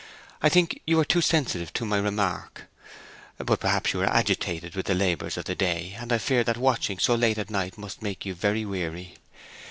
I think you were too sensitive to my remark. But perhaps you were agitated with the labours of the day, and I fear that watching so late at night must make you very weary.